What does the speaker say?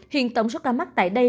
hiện tổng số ca mắc tại đây